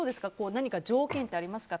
何か条件とかありますか？